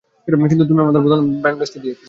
কিন্তু তুমি আমার প্ল্যান ভেস্তে দিয়েছ।